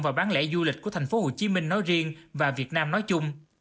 và bán lễ du lịch của thành phố hồ chí minh nói riêng và việt nam nói chung